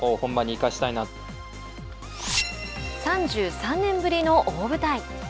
３３年ぶりの大舞台。